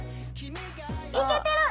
いけてる！